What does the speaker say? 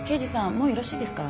もうよろしいですか？